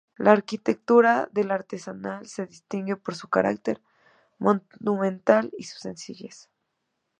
La arquitectura del Arsenal se distingue por su carácter monumental y su sencillez.